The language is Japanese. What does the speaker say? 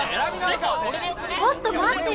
ちょっと待ってよ。